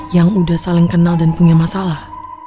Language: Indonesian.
yang udah saling kenal dan punya masalah